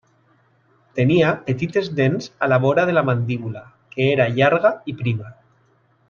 Tenia petites dents a la vora de la mandíbula, que era llarga i prima.